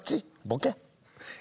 ボケ？